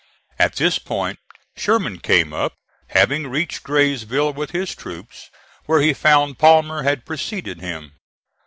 At this point Sherman came up, having reached Graysville with his troops, where he found Palmer had preceded him.